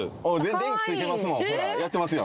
電気ついてますもんほらやってますよ